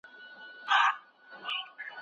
مسواک وهل د اوداسه په پوره کولو کې مرسته کوي.